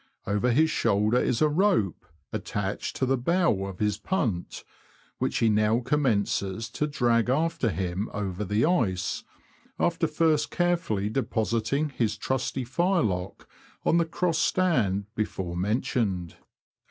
Over his shoulder is a rope, attached to the bow of his punt, which he now commences to drag after him over the ice, after first carefully depositing his trusty firelock on the crossed stand before men tioned.